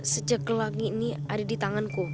sejak langit ini ada di tanganku